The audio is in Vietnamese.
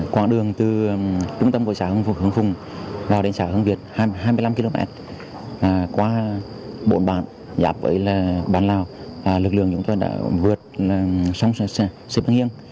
qua đường từ trung tâm của xã hương phùng vào đến xã hương việt hai mươi năm km qua bộn bản giáp với bản lào lực lượng chúng tôi đã vượt xong xếp ngang nghiêng